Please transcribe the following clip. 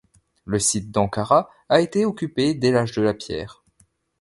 Le site d'Ankara a été occupé dès l'âge de la pierre.